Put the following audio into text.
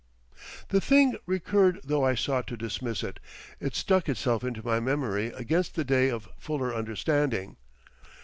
The thing recurred though I sought to dismiss it, it stuck itself into my memory against the day of fuller understanding.